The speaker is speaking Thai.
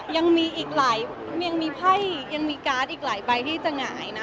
ยังมีอีกหลายยังมีไพ่ยังมีการ์ดอีกหลายใบที่จะหงายนะ